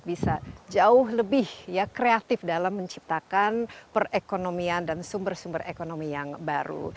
bisa jauh lebih kreatif dalam menciptakan perekonomian dan sumber sumber ekonomi yang baru